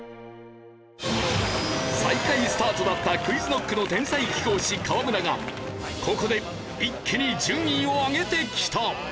最下位スタートだったＱｕｉｚＫｎｏｃｋの天才貴公子河村がここで一気に順位を上げてきた。